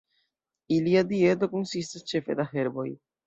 Ilia dieto konsistas ĉefe da herboj.